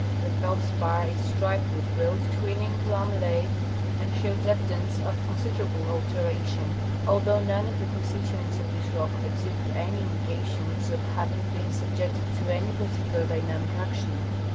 The feldspar is striped with broad twin ning lamella?, and shows evidence of considerable alteration, although none of the constituents of this rock exhibit any indi cations of having been subjected to any particular dynamic action.